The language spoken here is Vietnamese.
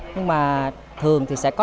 nhưng mà thường thì sẽ có